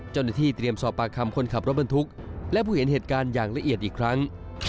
เจ้าหน้าที่เตรียมสอบปากคำคนขับรถบรรทุกและผู้เห็นเหตุการณ์อย่างละเอียดอีกครั้ง